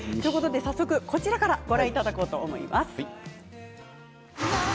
早速こちらからご覧いただこうと思います。